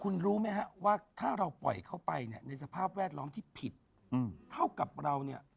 ในสภาพแวดล้อมที่ผิดเท่ากับเราเนี่ย